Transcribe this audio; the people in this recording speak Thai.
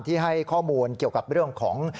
ให้ข้อมูลเกี่ยวกับเรื่องของ